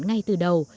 ngay từ đầu